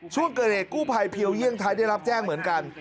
ช่วงเกิดเหตุกู้ภัยเพียวเยี่ยงไทยได้รับแจ้งเหมือนกัน